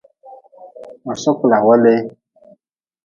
Ma sokla welee.